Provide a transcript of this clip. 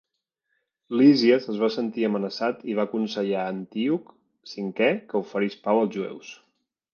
Lísies es va sentir amenaçat i va aconsellar a Antíoc V que oferís pau als jueus.